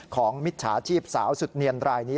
มิจฉาชีพสาวสุดเนียนรายนี้